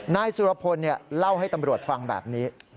นายสุรพลเล่าให้ตำรวจฟังแบบนี้